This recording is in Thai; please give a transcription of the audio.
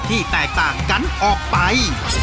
ที่แตกต่างกันออกไป